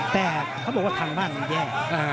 แต่เขาบอกว่าทางบ้านมันแย่